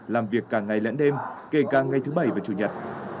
làm việc cả ngày lẫn đêm kể cả ngày thứ bảy và chủ nhật